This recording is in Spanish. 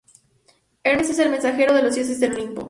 Hermes es el mensajero de los dioses del olimpo.